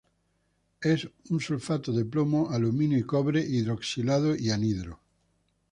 Es un sulfato de plomo, aluminio y cobre, hidroxilado y anhidro.